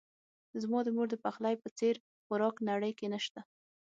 زما د مور دپخلی په څیر خوراک نړۍ کې نه شته